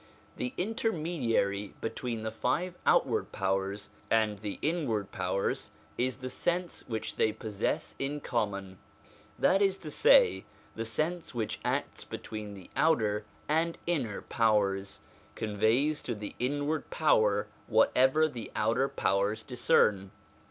The intermediary between the five outward powers and the inward powers, is the sense which they possess in common; that is to say, the sense which acts between the outer and inner powers, conveys to the inward powers whatever the outer powers discern.